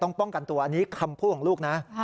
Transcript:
ป้องกันตัวอันนี้คำพูดของลูกนะ